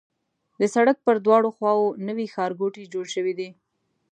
د سړک پر دواړو خواوو نوي ښارګوټي جوړ شوي دي.